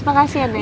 makasih ya nenek